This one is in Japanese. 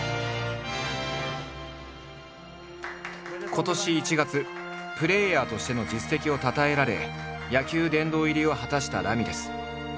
今年１月プレーヤーとしての実績をたたえられ野球殿堂入りを果たしたラミレス。